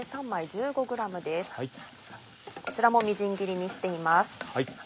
こちらもみじん切りにしています。